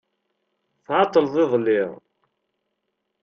Tεeṭṭleḍ iḍelli.